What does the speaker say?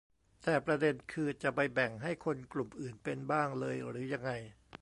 แต่ประเด็นคือ จะไปแบ่งให้คนกลุ่มอื่นเป็นบ้างเลยหรือยังไง